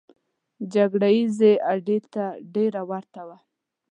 جګړه ییزې اډې ته ډېره ورته وه.